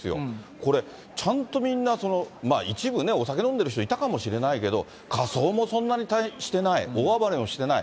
これ、ちゃんとみんな、一部ね、お酒飲んでる人いたかもしれないけど、仮装もそんなにしてない、大暴れもしてない。